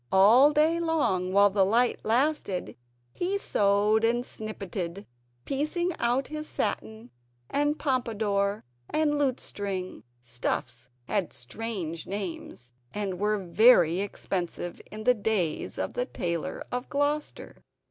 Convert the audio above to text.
All day long while the light lasted he sewed and snippetted, piecing out his satin, and pompadour, and lutestring; stuffs had strange names, and were very expensive in the days of the Tailor of Gloucester.